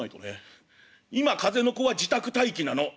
「今風の子は自宅待機なの。